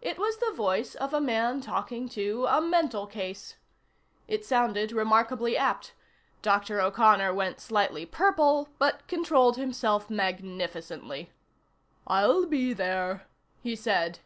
It was the voice of a man talking to a mental case. It sounded remarkably apt. Dr. O'Connor went slightly purple, but controlled himself magnificently. "I'll be there," he said.